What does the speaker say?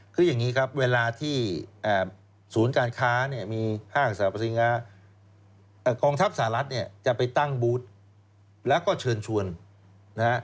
คืออย่างนี้ครับเวลาที่ศูนย์การค้าเนี่ยมีห้างสรรพสินค้ากองทัพสหรัฐเนี่ยจะไปตั้งบูธแล้วก็เชิญชวนนะฮะ